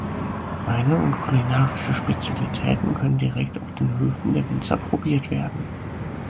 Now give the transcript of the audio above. Weine und kulinarische Spezialitäten können direkt auf den Höfen der Winzer probiert werden.